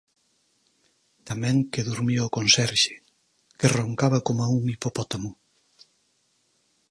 Tamén que durmía o conserxe, que roncaba coma un hipopótamo.